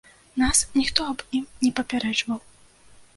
Нас ніхто аб ім не папярэджваў.